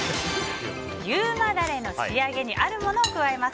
優馬ダレの仕上げにあるものを加えます。